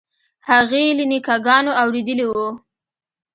هغې له نیکه ګانو اورېدلي وو.